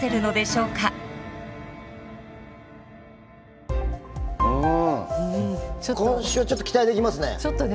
うん今週はちょっと期待できますね。